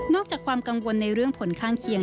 จากความกังวลในเรื่องผลข้างเคียง